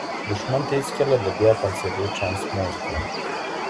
دښمن ته هیڅکله د بیا پاڅیدو چانس مه ورکوه.